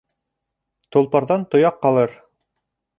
Толпарҙан тояҡ ҡалыр.